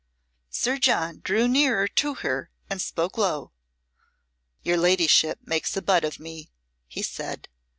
Sir John drew nearer to her and spoke low. "Your ladyship makes a butt of me," he said.